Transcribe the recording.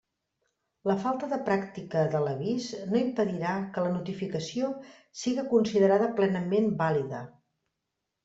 La falta de pràctica de l'avís no impedirà que la notificació siga considerada plenament vàlida.